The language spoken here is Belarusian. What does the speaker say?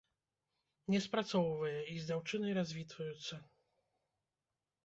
Не спрацоўвае, і з дзяўчынай развітваюцца.